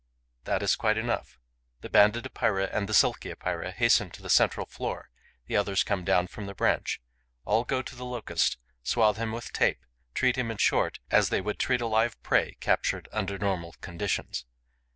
That is quite enough. The Banded Epeira and the Silky Epeira hasten to the central floor; the others come down from the branch; all go to the Locust, swathe him with tape, treat him, in short, as they would treat a live prey captured under normal conditions.